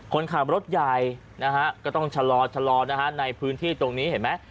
คนขับรถใหญ่นะฮะก็ต้องชะลอนะฮะในพื้นที่ตรงนี้เห็นไหม